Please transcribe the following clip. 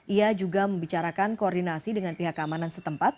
ia juga membicarakan koordinasi dengan pihak keamanan setempat